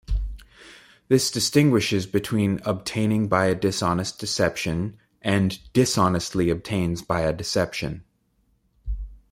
This distinguishes between "obtaining by a dishonest deception" and "dishonestly obtains by a deception".